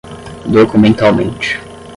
documentalmente